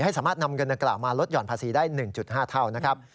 สามารถนำเงินดังกล่าวมาลดหย่อนภาษีได้๑๕เท่านะครับ